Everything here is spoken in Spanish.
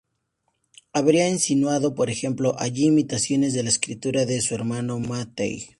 Habría insinuado por ejemplo allí imitaciones de la escritura de su hermano Mathieu.